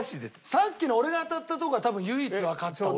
さっきの俺が当たったとこは多分唯一わかった俺は。